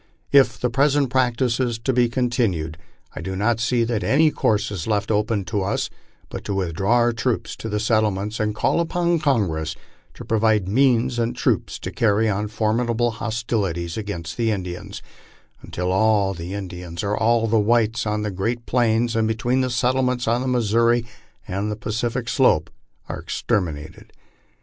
If the present practice is to be continued, I do not see that any course is left open to us but to with draw our troops to the settlements and call upon Congress to provide means and troops to carry on formidable hostilities against the Indians, until all the Indians or all the whites on the great plains, and between the settlements on the Missouri and the Pacific slope, are exterminated.